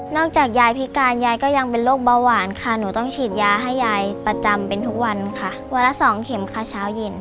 จากยายพิการยายก็ยังเป็นโรคเบาหวานค่ะหนูต้องฉีดยาให้ยายประจำเป็นทุกวันค่ะวันละสองเข็มค่ะเช้าเย็น